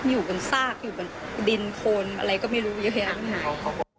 อยู่บนซากอยู่บนดินโคนอะไรก็ไม่รู้เยอะแยะหาย